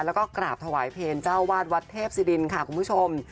แล้วก็กราบถวายเพลเจ้าวาดวัดเทพศิรินค่ะคุณผู้ชม